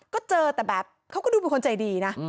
ก็เจอแต่แบบเขาก็ดูเป็นคนใจดีนะ